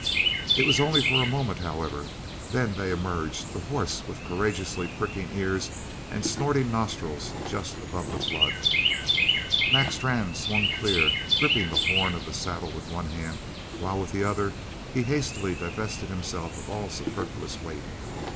It was only for a moment, however; then they emerged, the horse with courageously pricking ears and snorting nostrils just above the flood. Mac Strann swung clear, gripping the horn of the saddle with one hand while with the other he hastily divested himself of all superfluous weight.